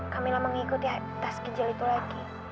kak mila mengikuti tas ginjal itu lagi